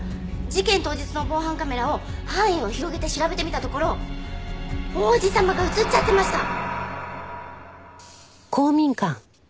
事件当日の防犯カメラを範囲を広げて調べてみたところ王子様が映っちゃってました！